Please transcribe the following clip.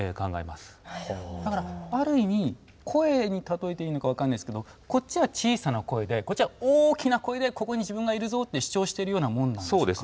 声に例えていいのか分かんないですけどこっちは小さな声でこっちは大きな声で「ここに自分がいるぞ！」って主張してるようなもんなんでしょうかね。